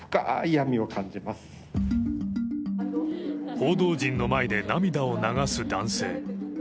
報道陣の前で涙を流す男性。